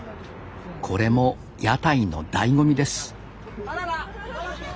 これも屋台のだいご味です